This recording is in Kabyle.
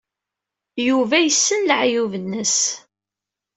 Yuba yessen leɛyub-nnes.